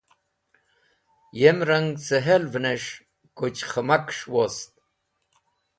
Yem rang ce hel’venes̃h Kuchkhẽmakes̃h wost.